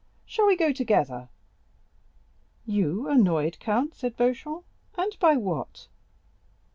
Shall we go together?" "You annoyed, count?" said Beauchamp; "and by what?"